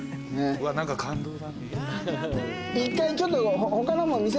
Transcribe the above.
１回ちょっと。